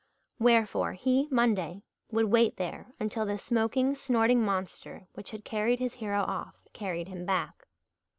Wherefore, he, Monday, would wait there until the smoking, snorting monster, which had carried his hero off, carried him back.